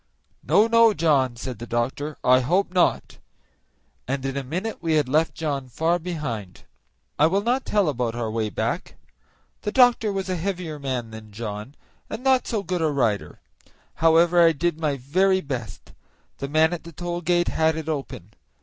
"No, no, John," said the doctor, "I hope not," and in a minute we had left John far behind. I will not tell about our way back. The doctor was a heavier man than John, and not so good a rider; however, I did my very best. The man at the toll gate had it open.